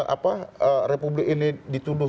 apa republik ini dituduh